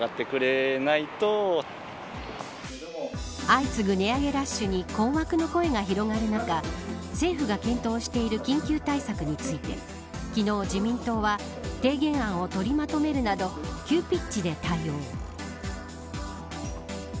相次ぐ値上げラッシュに困惑の声が広がる中政府が検討している緊急対策について昨日、自民党は提言案を取りまとめるなど急ピッチで対応。